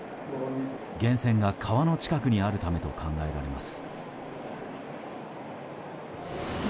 源泉が川の近くにあるためと考えられます。